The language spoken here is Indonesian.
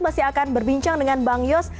masih akan berbincang dengan bang yos